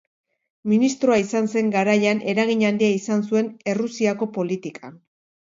Ministroa izan zen garaian eragin handia izan zuen Errusiako politikan.